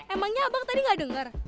emangnya abang tadi gak denger